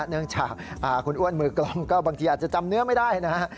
เนื่องจากคุณอ้วนมือกล้องก็บางทีอาจจะจำเนื้อไม่ได้นะฮะ